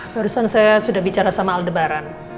barusan saya sudah bicara sama aldebaran